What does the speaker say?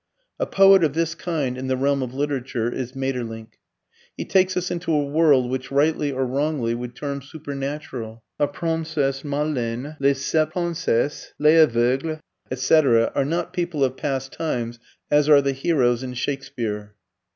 A poet of this kind in the realm of literature is Maeterlinck. He takes us into a world which, rightly or wrongly, we term supernatural. La Princesse Maleine, Les Sept Princesses, Les Aveugles, etc., are not people of past times as are the heroes in Shakespeare.